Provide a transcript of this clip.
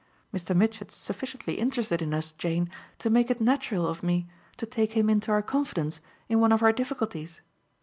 Mr. Mitchett's sufficiently interested in us, Jane, to make it natural of me to take him into our confidence in one of our difficulties.